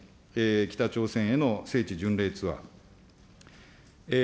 北朝鮮への聖地巡礼ツアー。